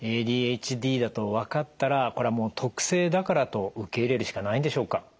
ＡＤＨＤだと分かったらこれはもう特性だからと受け入れるしかないんでしょうか？